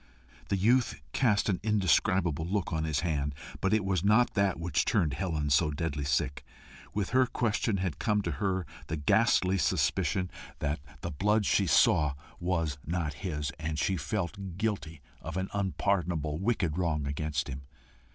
The youth cast an indescribable look on his hand, but it was not that which turned Helen so deadly sick: with her question had come to her the ghastly suspicion that the blood she saw was not his, and she felt guilty of an unpardonable, wicked wrong against him.